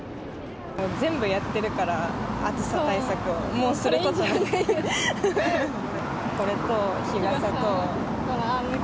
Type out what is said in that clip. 全部やってるから、暑さ対策を、もうこれ以上ない。